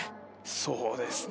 そうですね